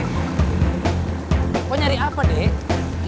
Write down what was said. ngok nyari apa deh